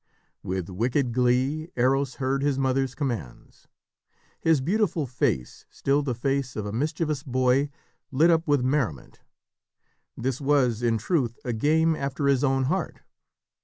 With wicked glee Eros heard his mother's commands. His beautiful face, still the face of a mischievous boy, lit up with merriment. This was, in truth, a game after his own heart.